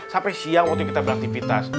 sampai siang waktu kita beraktivitas